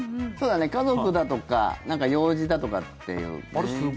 家族だとか用事だとかっていう。